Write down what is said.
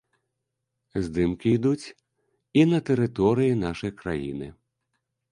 Здымкі ідуць і на тэрыторыі нашай краіны.